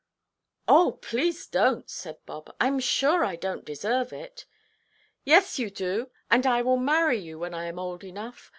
"Oh, please donʼt," said Bob; "I am sure I donʼt deserve it." "Yes, you do; and I will marry you when I am old enough.